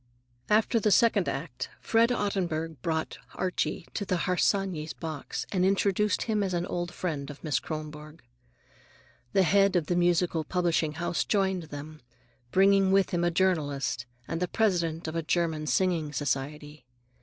After the second act Fred Ottenburg brought Archie to the Harsanyis' box and introduced him as an old friend of Miss Kronborg. The head of a musical publishing house joined them, bringing with him a journalist and the president of a German singing society.